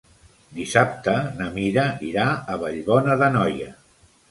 Dissabte na Mira irà a Vallbona d'Anoia.